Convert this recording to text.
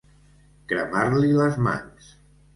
Cremar-li les mans.